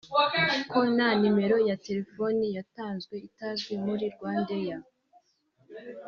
ko na nimero ya telefoni yatanzwe itazwi muri RwandAir”……